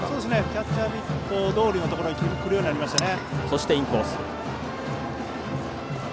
キャッチャーミットどおりのところに来るようになりましたね。